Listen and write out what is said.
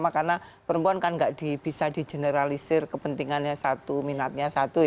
karena perempuan kan tidak bisa di generalisir kepentingannya satu minatnya satu